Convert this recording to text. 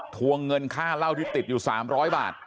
วงเงินค่าเหล้าที่ติดอยู่๓๐๐บาท